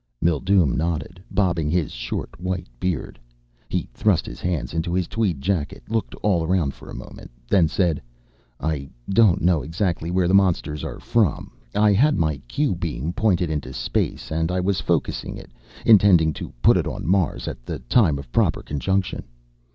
Mildume nodded, bobbing his short white beard. He thrust his hands into his tweed jacket, looked all around for a moment, then said, "I don't know exactly where the monsters are from. I had my Q beam pointed into space, and I was focussing it, intending to put it on Mars at the time of proper conjunction.